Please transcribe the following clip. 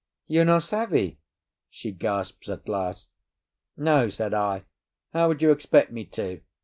"You no savvy?" she gasps at last. "No," said I. "How would you expect me to?